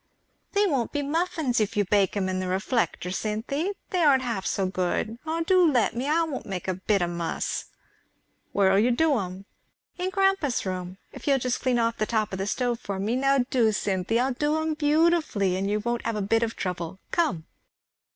"They won't be muffins if you bake 'em in the reflector, Cynthy; they aren't half so good. Ah, do let me I I won't make a bit of muss." "Where'll you do 'em?" "In grandpa's room if you'll just clean off the top of the stove for me now do, Cynthy! I'll do 'em beautifully and you won't have a bit of trouble. Come!"